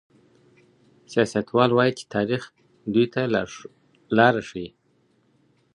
سياستوال وايي چي تاريخ دوی ته لاره ښيي.